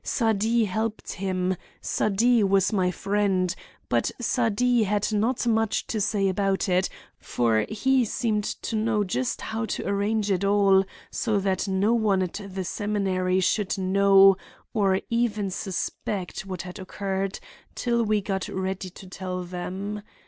Sadie helped him—Sadie was my friend—but Sadie had not much to say about it, for he seemed to know just how to arrange it all so that no one at the seminary should know or even suspect what had occurred till we got ready to tell them.